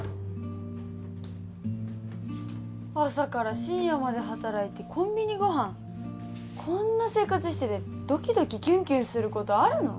朝から深夜まで働いてコンビニご飯こんな生活しててドキドキキュンキュンすることあるの？